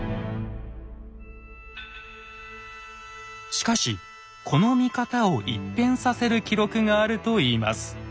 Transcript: しかしこの見方を一変させる記録があるといいます。